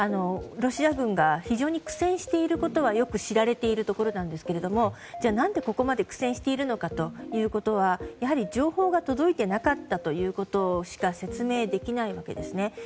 ロシア軍が非常に苦戦を強いられていることはよく知られているところなんですけれどもじゃあ、何でここまで苦戦しているのかというのはやはり、情報が届いてなかったということでしか説明できないわけですね。